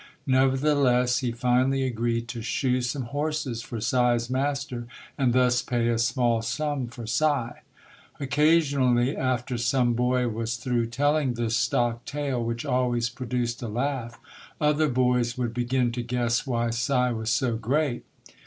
Nevertheless, he finally agreed to shoe some horses for Si's master and thus pay a small sum for Si. Occasionally after some boy was through tell ing this stock tale, which always produced a laugh, other boys would begin to guess why Si was so great.